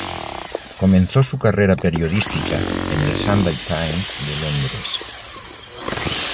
Comenzó su carrera periodística en el "Sunday Times" de Londres.